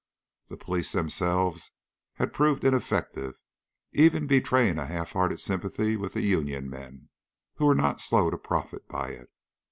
The police themselves had proved ineffective, even betraying a half hearted sympathy with the union men, who were not slow to profit by it.